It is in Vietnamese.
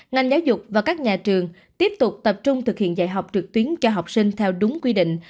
ngành giáo dục và các nhà trường tiếp tục tập trung thực hiện dạy học trực tuyến cho học sinh theo đúng quy định